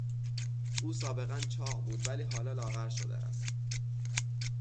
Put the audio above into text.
او سابقا چاق بود ولی حالا لاغر شده است.